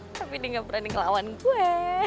tapi dia gak berani ngelawan gue